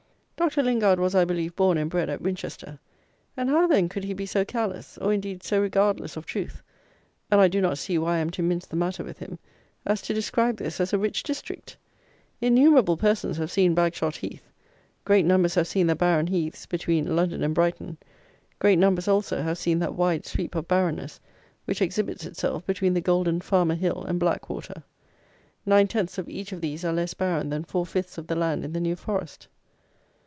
Dr. Lingard was, I believe, born and bred at Winchester; and how, then, could he be so careless; or, indeed, so regardless of truth (and I do not see why I am to mince the matter with him), as to describe this as a rich district? Innumerable persons have seen Bagshot Heath; great numbers have seen the barren heaths between London and Brighton; great numbers, also, have seen that wide sweep of barrenness which exhibits itself between the Golden Farmer Hill and Black water. Nine tenths of each of these are less barren than four fifths of the land in the New Forest.